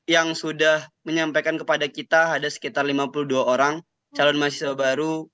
yang sudah menyampaikan kepada kita ada sekitar lima puluh dua orang calon mahasiswa baru